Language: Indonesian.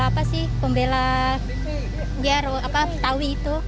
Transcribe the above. apa sih pembela betawi itu